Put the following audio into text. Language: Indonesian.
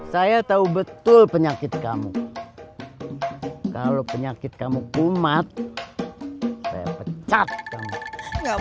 saya tahu betul penyakit kamu kalau penyakit kamu kumat saya pecat kamu nggak bakal kang saya janji